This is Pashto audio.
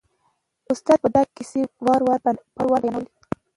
استاد به دا کیسه په وار وار بیانوله.